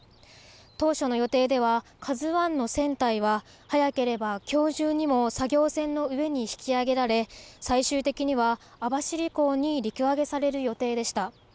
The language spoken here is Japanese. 当初の予定ではＫＡＺＵＩの船体は早ければきょう中にも作業船の上に引き揚げられ最終的には網走港に陸揚げされる予定でした。